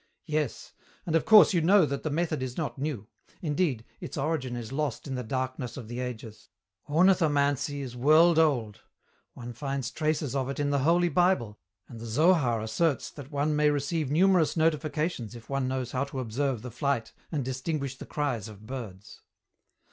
"Yes. And of course you know that the method is not new. Indeed, its origin is lost in the darkness of the ages. Ornithomancy is world old. One finds traces of it in the Holy Bible, and the Zohar asserts that one may receive numerous notifications if one knows how to observe the flight and distinguish the cries of birds."